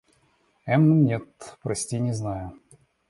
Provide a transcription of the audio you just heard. Эм-м, нет, прости, не знаю.